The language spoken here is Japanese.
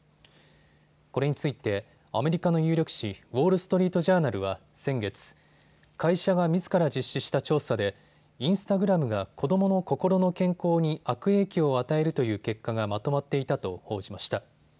これについてアメリカの有力紙、ウォール・ストリート・ジャーナルは先月、会社がみずから実施した調査でインスタグラムが子どもの心の健康に悪影響を与えるという結果がまとまっていたと報じました。